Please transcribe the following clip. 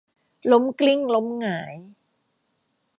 ล้มกลิ้งล้มหงาย